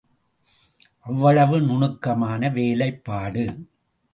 அவ்வளவு நுணுக்கமான வேலைப்பாடு.